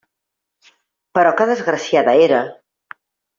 Però que desgraciada era!